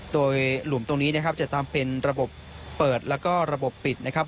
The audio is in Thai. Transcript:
โดยหลุมตรงนี้นะครับจะทำเป็นระบบเปิดแล้วก็ระบบปิดนะครับ